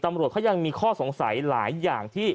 ตำรวจเขายังมีข้อสงสัยหลายอย่างที่